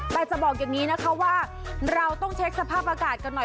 แต่จะบอกอย่างนี้นะคะว่าเราต้องเช็คสภาพอากาศกันหน่อย